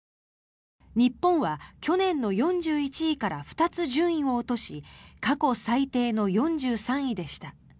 日本は去年の４１位から２つ順位を落とし過去最低の４３位でした。